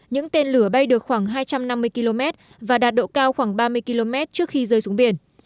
những tên lửa bay được khoảng hai trăm năm mươi km và đạt độ cao khoảng ba mươi km trước khi rơi xuống biển